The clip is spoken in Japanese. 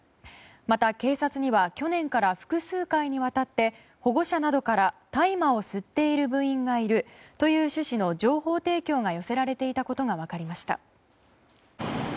また、警察には去年から複数回にわたって保護者などから大麻を吸っている部員がいるという趣旨の情報提供が寄せられていたことが分かりました。